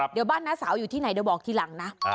เดี๋ยวบ้านน้าสาวอยู่ที่ไหนเดี๋ยวบอกทีหลังนะ